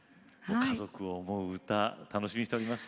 家族を思う歌楽しみにしております。